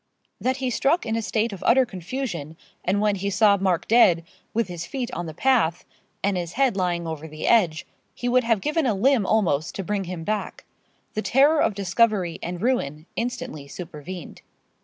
That he struck in a state of utter confusion, and when he saw Mark dead, with his feet on the path, and his head lying over the edge, he would have given a limb almost to bring him back. The terror of discovery and ruin instantly supervened.